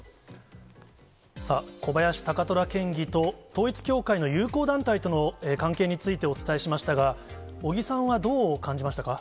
さあ、小林貴虎県議と統一教会の友好団体との関係についてお伝えしましたが、尾木さんはどう感じましたか。